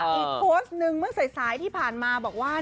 อีกโพสต์หนึ่งเมื่อสายที่ผ่านมาบอกว่า